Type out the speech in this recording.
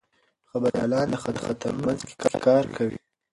خبریالان د خطرونو په منځ کې کار کوي.